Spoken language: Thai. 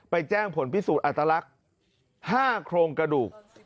แจ้งผลพิสูจน์อัตลักษณ์๕โครงกระดูก